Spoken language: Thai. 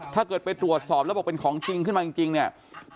ถ้าเกิดไปตรวจสอบแล้วบอกเป็นของจริงขึ้นมาจริงเนี่ย